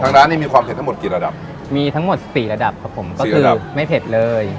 ร้านนี้มีความเผ็ดทั้งหมดกี่ระดับมีทั้งหมดสี่ระดับครับผมก็คือไม่เผ็ดเลย